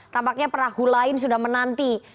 tampaknya perahu lain sudah menanti